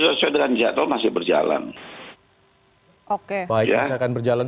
sesuai dengan jadwal masih berjalan